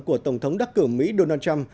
của tổng thống đắc cử mỹ donald trump